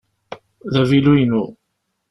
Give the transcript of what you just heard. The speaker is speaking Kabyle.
D avilu-inu.